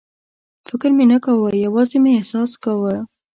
فکر مې نه کاوه، یوازې مې احساس کاوه.